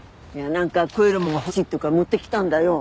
なんか食えるものが欲しいって言うから持ってきたんだよ。